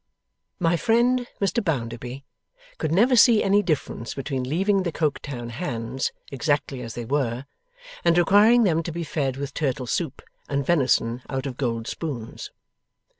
Mr friend Mr Bounderby could never see any difference between leaving the Coketown 'hands' exactly as they were, and requiring them to be fed with turtle soup and venison out of gold spoons.